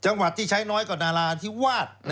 จังหวัดที่ใช้น้อยกว่านาราธิวาส